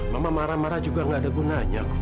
mama marah marah juga gak ada gunanya kok